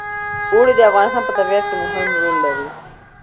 اوړي د افغانستان په طبیعت کې مهم رول لري.